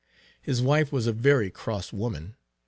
His wife was a very cross woman.